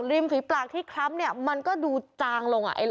ฝีปากที่คล้ำเนี่ยมันก็ดูจางลงอ่ะ